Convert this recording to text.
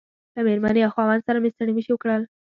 له مېرمنې او خاوند سره مې ستړي مشي وکړل.